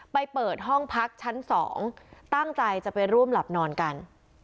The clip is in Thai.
เปิดห้องพักชั้น๒ตั้งใจจะไปร่วมหลับนอนกัน